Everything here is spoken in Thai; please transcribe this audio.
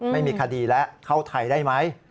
ไม่มีคดีแล้วเข้าไทยได้ไหม